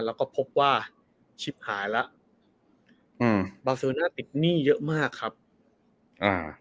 แล้วก็พบว่าชิปหายแล้วอืมบาเซอร์น่าติดหนี้เยอะมากครับอ่า